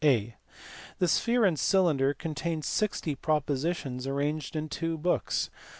(a) The Sphere and Cylinder contains sixty propositions arranged in two books.